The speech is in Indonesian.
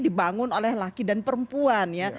dibangun oleh laki dan perempuan ya